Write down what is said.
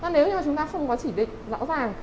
nếu như chúng ta không có chỉ định rõ ràng